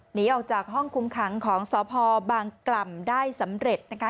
หนีออกจากห้องคุมขังของสพบางกล่ำได้สำเร็จนะคะ